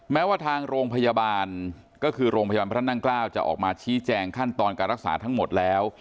แม้ว่าทางโรงพยาบาลก็คือโรงพยาบาลพระนั่งเกล้าจะออกมาชี้แจงขั้นตอนการรักษาทั้งหมดแล้ว